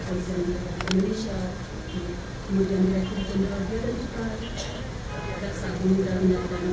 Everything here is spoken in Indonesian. oleh balai laboratorium kami